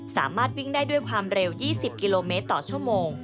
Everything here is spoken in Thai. สามารถวิ่งได้ด้วยความเร็ว๒๐กิโลเมตรต่อชั่วโมง